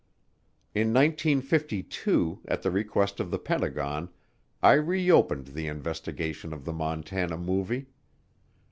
In 1952, at the request of the Pentagon, I reopened the investigation of the Montana Movie.